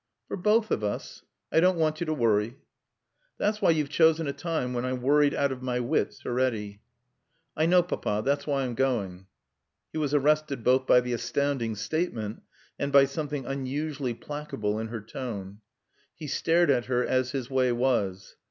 "For both of us. I don't want you to worry." "That's why you've chosen a time when I'm worried out of my wits already." "I know, Papa. That's why I'm going." He was arrested both by the astounding statement and by something unusually placable in her tone. He stared at her as his way was.